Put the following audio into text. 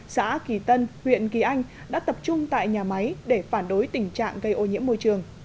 xã kỳ tân huyện kỳ anh đã tập trung tại nhà máy để phản đối tình trạng gây ô nhiễm môi trường